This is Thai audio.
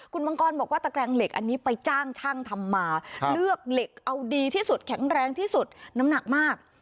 คุณมังกรบอกว่าตะแกรงเหล็กอันนี้ไปจ้างช่างทำมาเลือกเหล็กเอาดีที่สุดแข็งแรงที่สุดน้ำหนักมาก